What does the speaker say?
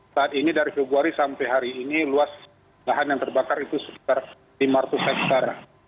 saat ini dari februari sampai hari ini luas lahan yang terbakar itu sekitar lima ratus hektare